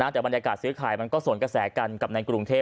แต่บรรยากาศซื้อขายมันก็สวนกระแสกันกับในกรุงเทพ